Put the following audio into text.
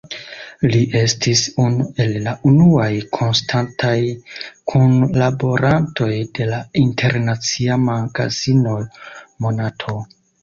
Li estis unu el la unuaj konstantaj kunlaborantoj de la internacia magazino "Monato".